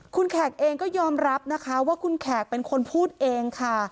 คุณแขกเองก็ยอมรับนะคะว่าคุณแขกเป็นคนพูดเองค่ะ